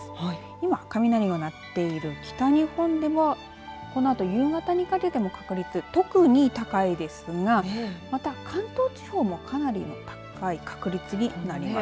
今雷が鳴っている北日本でもこのあと夕方にかけても確率特に高いですがまた関東地方もかなりの高い確率になります。